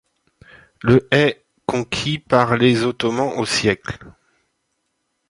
Le est conquis par les Ottomans au siècle.